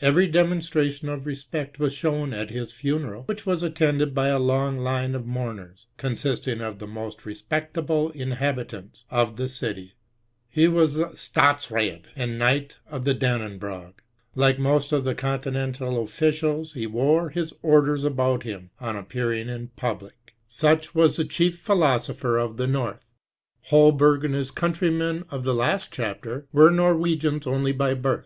Every demonstration of respect was shown at his funeral, which wa^ 150 TRE8CH0W. attended by a long line of mourners, consisting of the most respectable inhabitants of the dty. He was a Stetsraad, and knight of the Danne brog. Like most of the continental officials, he wore his orders about him on appearing in public. Such was the chief philosopher of the North. Holberg, and his countrymen of the last chapter, were Norwegians only by birth.